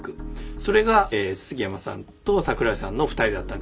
それが杉山さんと桜井さんの２人だった。